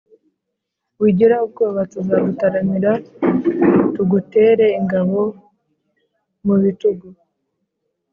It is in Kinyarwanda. wigira ubwoba tuzagutaramira tugutere ingabo mu bitugu.